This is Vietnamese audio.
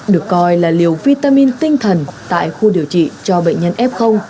được coi là liều vitamin tinh thần tại khu điều trị cho bệnh nhân f